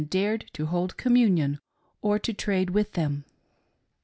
327 dared to hold communion or to trade with them.